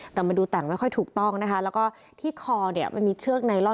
แต่มันดูแต่งไม่ค่อยถูกต้องนะคะแล้วก็ที่คอเนี่ยมันมีเชือกไนลอน